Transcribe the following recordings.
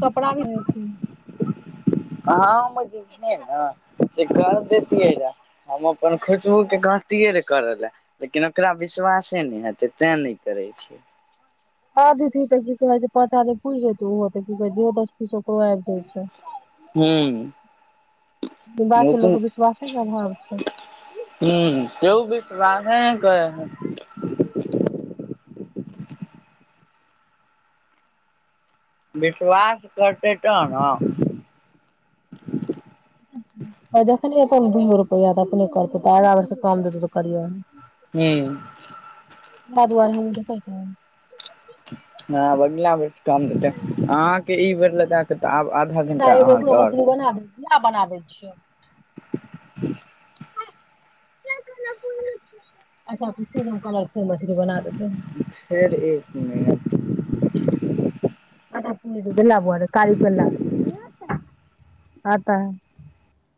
कपड़ा भी देती है। आ जे छै ने, से कर देतियै रहए हम अपन खुशबूके कहतियै, रहए करय लए लेकिन ओकरा विश्वासे नहि हेतै, तें नहि करै छियै। ह दीदी तऽ की कह छै, पचा नहि पूझ होत, ओहो त क कह दो दस पीसो क। ह्म। ई ह बात छै त लोकके विश्वासे के अभाव छै ह के भी राधे कह। [inaudible] विश्वास करते तन अ देखलिए तै, एमे दुइगो रुपैया तऽ अपने करतै, अगला बेर से काम देतौ, तऽ करहीयै। हुं। तै दुआरे हमु कैकरा कहब आब अगला बेर से काम देतै, अहाँके ई बेर लगाके सिधा एगो ओकरो मछली बना देबै ला बना दै छियो। [inaudible] अच्छा कलरफुल मछली बना देेबै। फेर एक मिनट [unintelligible]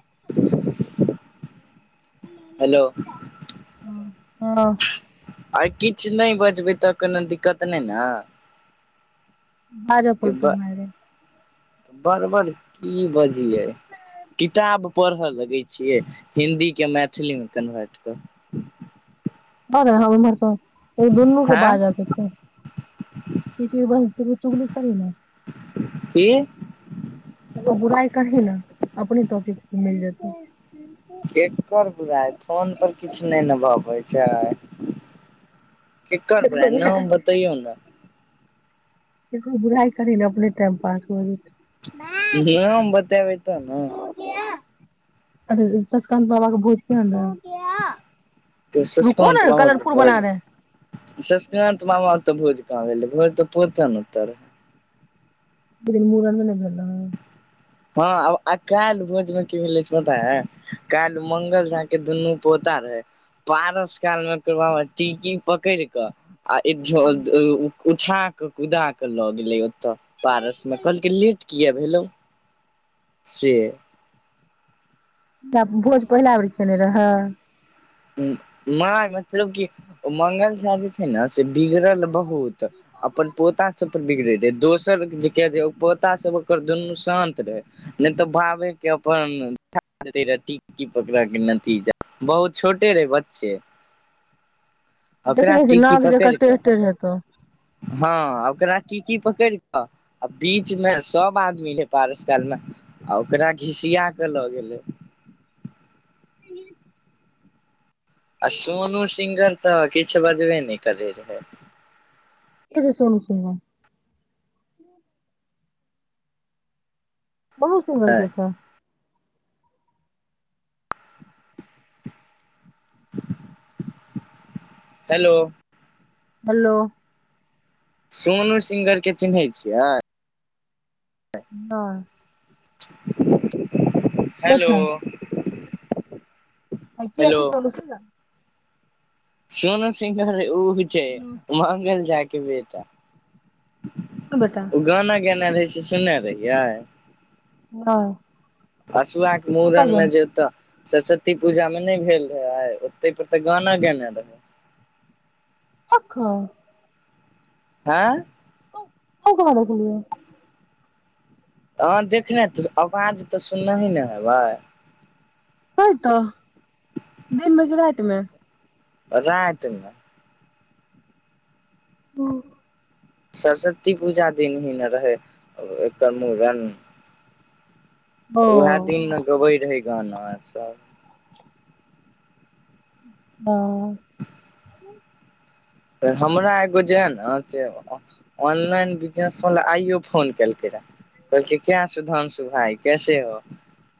[inaudible] हेलो हँ आय किछ नै बच बै तऽ कोनो दिक्कत नै न। बाजै पड़तो भाय रै बड़ बड़ की बजियै किताब पढ़य लगै छियै हिदी के मैथिलीमे कन्वर्ट कऽ। आबै हम इम्हर से औ दुनू के हँ बाज के छै, ई चीज बाजे छै केकरो चुगली करी न, की ककरो बुराई कहेला अपने टौपिक मिल जतो केकर अच्छा केकर ककरो बुराए नाम बतैयो न केकरो बुराई करही ने अपने टाइम पास हो जेतो नाम बतेबै तब नै अ त ससकांत बाबा के बोझ कहेन रहे। रुको ससकांत ने मामा के कलरफुल बना भोज रहे तऽ ससकांत मामा के तऽ भोज कहा गेलै भोज तऽ [unintelligible] ओय दिन मुरनो नै भेल रहे। हां अब अ काएल भोज मे की भेले से पता यै काएल मंगल झा के दुनू पोता रहे पारस काल मे तै बाबा टीकी पकड़ कऽ आ एक झोल द उ उठा कऽ कुदा कऽ लऽ गेलै ओ। तऽ पारस मे कहलके लेट किया भेलौ। से आब भोज पहिला बेर खेने रहै। हु माय मतलब की मंगल झा जे छै ने से बिगड़ल बहुत अपन पोता सब तब बिगड़े रहे दोसर जे के जे उ पोता सब ओकर दुनू शांत रहे ने तऽ भावे के अपन [inaudible] टीक की पकड़ा के नतीजा बहुत छोटे रहे बच्चे। ओकरा देखने छी नाक जकर टेढ़ टेढ़ हेतो। हां ओकरा टिकी पकड़ कऽ आ बीचमे सब आदमी रहै पारस कालमे आ ओकरा घिसिया कऽ लऽ गेलै। [unintelligible] आ सोनू सिंगर तऽ किछु बजबे नहि करैत रहय एद सुोन छै ने बहुत सुन्दर कख। हेलो। हेलो। सोनू सिंगरके चिन्है छियै? हँ [inaudible] हेलो ह की अ छै, चलू स ज। सोन सिंह कहलैथ। ओ छै, कोन मंगल चा। के बेटा। बेटा ओ गाना गना रहै छै। सुनने रहै य। हँ। हसु आक मरन मे जत। सरस्वती पूजामे नहि भेल रहै, आइ ओते पर तऽ गाना गेने रहै। हखो। आँ? क कहा कल। हँ देखने त, आवाज तऽ सुननाही ने हेबै? हो तऽ दिनमे कि, रतिमे? राइत न। गू। सरस्वती पूजा दिन ही ने रहै, एकर मुूड़न। ओ उएह दिन ने गबै रहै। गाना सब। बाह! त हमरा एगो जे ने से ऑनलाइन बिजनेसवला आइो फोन केलकै, कहलकै क्या सुधंशु भाय कैसे हो?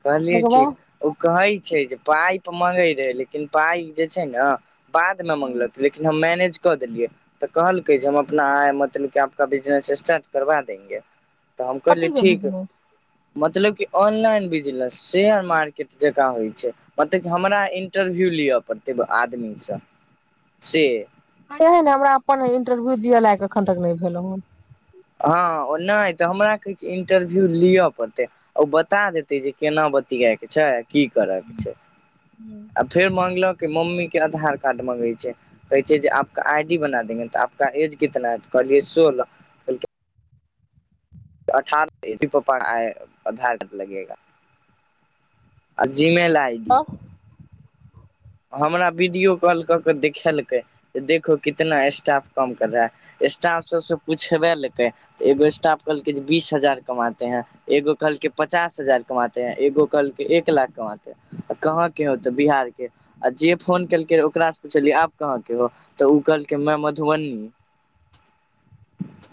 कहलियै ओके ठीक, बाद ओ कहै? प पाइप मगै रहै, लेकिन पाइप जे छै ने। बाद मे हम्म, मंगलक लेकिन हम मैनेज। कऽ देलियै तऽ, कहलकै जे हम अपना मतलब आपक बिजनेस स्टार्ट करबा देेंगे। तऽ हम कहलिय कथी के ठीक। बिजनेस मतलब क ऑनलाइन बिजनेस, शेयर मार्केट जकाँ होइ छै, मतलब क हमरा इंटरव्यू लिअ पड़ते आदमी से से। इे ने हमरा अपन इंटरव्यू दिअ लायक, एखन तक नहि भेलहुँ हेन। हँ ओ नहि तऽ हमरा। किछु इन्टरव्यू लिअ। पड़तै ओ बता देतै जे, केना बतियाइके छै। की करयके छै। आ फेर माँंगलो कि मम्मी के आधार कार्ड मङ्गै छै कहै छै जे आपके आई डी बना देंगे, तऽ आपका एज कितना है तऽ कहलियै सोलह कहलै अठारहप आ आधार घ लगेगा जीमेेल आइ डी। तब हमरा वीडियो कॉल कऽ कऽ देखेलकै जे देखहो कितना स्टाफ कम कर रहा है स्टाफ सबसँ पूछबेेलकै त एगो स्टाफ कहलकै जे, बीस हजार कमााते हैं, एगो कहलकै, पचास हजार कमााते हैं, एगो कहलकै एक लाख कमााते है, आ कहाँके होते बिहारके। आ जे फोन केलकै, ओकरासँ पुछलियै, आब कहाँके हो, तऽ ओ कहलकै मै मधुबनी।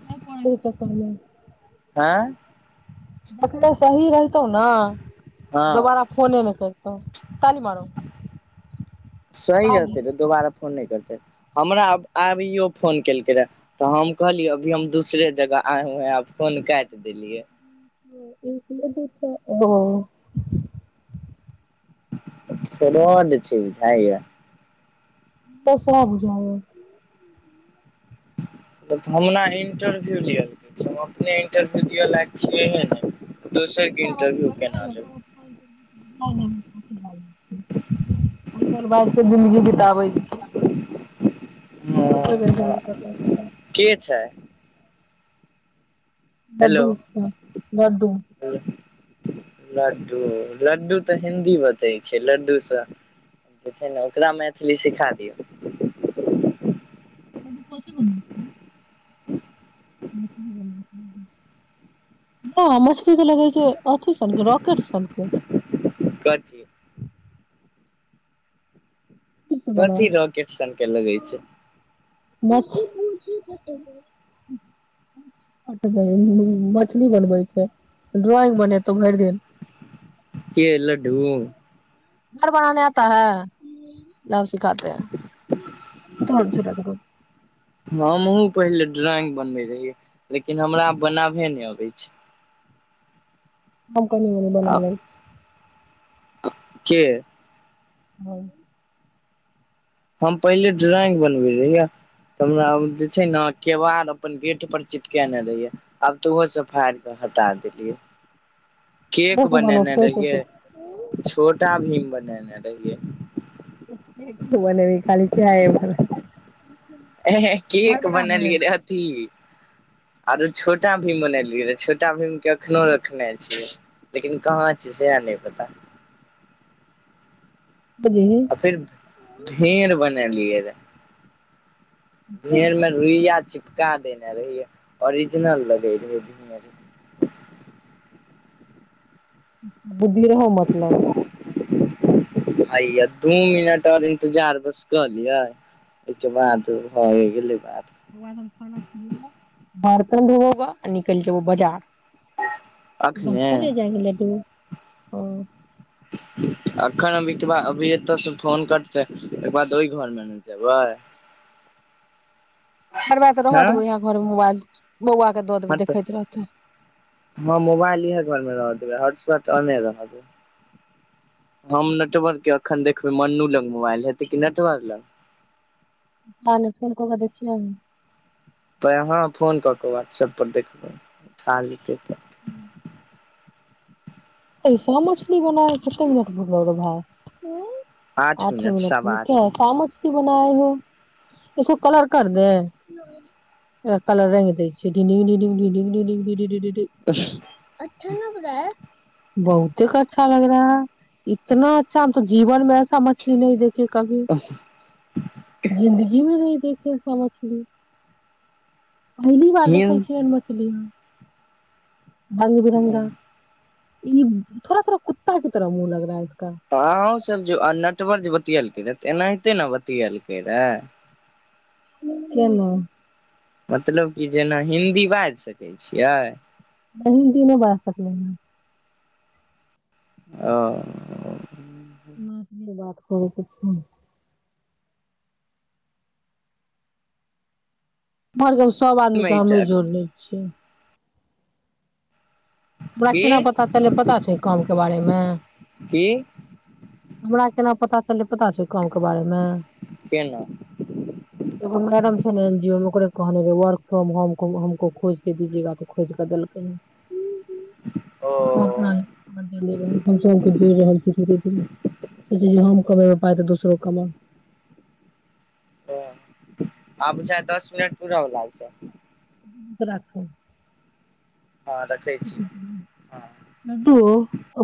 नहि को तऽ करमे आँ बक सही रहत तौ ने हँ दोबारा फोने नहि कर ओ सही ताली रहते रहे दोबारा फोन नहि करत हमरा आब आबियो फोन केलकै रहए तऽ हम कहलियै अभी हम दूसरे जगह आएहुँ हेँ आब फोन काटि देलियै। ह एक हँ त रड छै बुझाइया दूसरा बुझाई या ऽ हमरा इंटरव्यू लिल गेलै छै हम अपने इंटरव्यू दिअ लायक छियै हहे ने दोसर त के [unintelligible] इंटरव्यू केना लेबै नहि नहि अन बल बाज के जन्दगी बिताबै छी ह दोसर के इंटरव्यू के छै हेलो लडडू लडू लड्डू लड्डू तऽ हिंन्दी बतै छै लड्डूसँ जे छै ने ओकरा मैथिली सिखा दियौ। मछली तऽ लगै छै अथि सनके रॉकेट सनके कर छिय की सब बना कथि रॉकेट सन के लगई छै। मछ भुजी मछली बनबै छै ड्रॉइंग बनेतहु भरि दिन के लडू [inaudible] लभ सी खााते ह त छटा स ड्रॉइंग बनबे रहियै लेकिन हमरा बनाबे नहि अबै छै। हम कहियो नई आ बनाबै के हँ हम पहिले ड्रॉइंग बनबे रहियै, त हमरा जे छै ने केबाड़ अपन गेट पर चिपकेने रहियै, आब त ओहो सं फारि क हटा देलियै केक बनेने रहियै, छोटा भी बनेने रहियै। बनेने रहय, खाली किराया मे। एहेंहें केक बनलियै रहथि। आरो छोटा भीम बनेलियै र, छोटा भीम अखनहु रखने छियै, लेकिन कहां छै सएह नहि पता। [unintelligible] ढेर बनेलियै र भेल मे रुइया छै। क देने रहियै, ओरिजिनल लगै रहै। [unintelligible] बुद्धि रहै, मतलब। हइया दुइ मिनट और इंतजार बस क लियै, ओहिके बाद भ गेलै बात। [unintelligible] निकल जेबै बाजार। अखने बनथले जाइ छले तु, हं। अखैन हम एतबा अभी एत से फोन करतै, ओकर बाद ओहि घरमे ने जेबै। करबा के रह देबै, इहे घरमे मोबाइल। बौआ के दऽ देबै हां त देखैत रहतै मोबाइल इहे घरमे रह देबै, आज नेट औने रह देबै, हम नेटवर्क के एखन देखबै मन्नू लग मोबाइल हेतै, कि नेटवर्क लग? जाने कोन -कोना दय छियैन। त कहां फोन क के व्हाट्सऐप पर देखबै, उठा लेतै त। हुं। ऐसा मछली बनाय कतेक मिनट भेलौ रौ भाय। हुं उं। आठ मिनट सवा मे आठ किया मिनट तामस भेल। बना एगो, इसको कलर कर दें, कलर रंग दय छियै, ढिंग ढिंग ढिंग ढिंग, ढिंग ढिंग ढिंग ढिंग, डु डु डु गुड। हुं, अच्छा ना बना है। बहुतेक अच्छा लग रहा है, इतना अच्छा हम तो जीवन मे ऐसा मछली नही देखी। के कभी जिन्दगी मे नहि निखिल संगे छी। पहली बार देखै हिन छियै मछली। भंग -बिरंगा। इ थोड़ा -थोड़ा कुत्ता की तरह मुंह लग रहा है। अहां सब जे नेटवर्क जे बतियेलकै ने, ते एनाहिते ने बतिये तैयारी करय। केनो मतलब कि जेना हिन्दी बाज सकै छियै। नहि हिन्दी नय बाज सकय। ओ। नहि बात करै छै। घर के सब आदमी के हमी जोरनै छी। हमरा की केना पता चललै पता छौ काम के बारे मे की हमरा केना पता कल्हे पता छो ई काम के बारेमे, केना एगो मैडम छै ने एन जी ओ मे कहने रहय वर्क फ्रोम होम होमको खोज के दिजिएगा त खोजि के देलकै। ओ हम अपना मंदिर मे जहन पहुँचलियै। सोचि रहल छैय डेली कहय छैय जे हम कमेबै पाइ त दोसरो कमाउ। ह आब बुझाइये दस मिनट पुरऽवला छैय। [unintelligible] राखू। हँ रखै छी हँ लड्डू